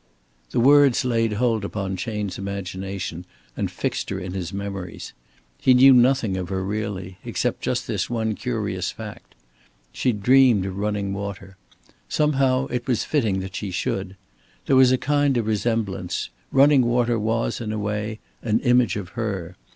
The words laid hold upon Chayne's imagination and fixed her in his memories. He knew nothing of her really, except just this one curious fact. She dreamed of running water. Somehow it was fitting that she should. There was a kind of resemblance; running water was, in a way, an image of her.